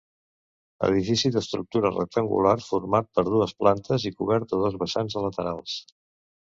Edifici d'estructura rectangular format per dues plantes i cobert a dos vessants a laterals.